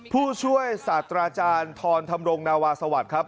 ผู้ช่วยศาสตราจารย์ทรธรรมรงนาวาสวัสดิ์ครับ